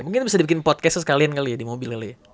mungkin bisa dibikin podcast sekalian kali ya di mobil kali ya